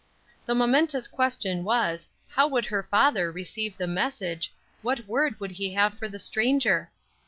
The momentous question was, how would her father receive the message, what word would he have for the stranger?